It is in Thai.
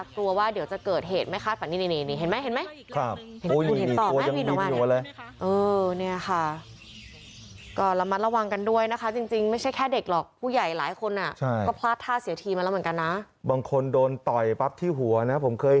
เพราะว่ากลัวว่าเดี๋ยวจะเกิดเหตุไม่คาดฝันนี่